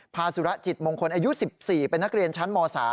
สุระจิตมงคลอายุ๑๔เป็นนักเรียนชั้นม๓